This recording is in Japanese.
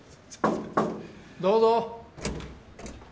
どうぞ。